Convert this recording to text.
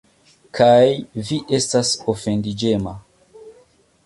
Kaj vi estas ofendiĝema.